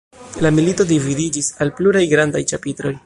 La milito dividiĝis al pluraj grandaj ĉapitroj.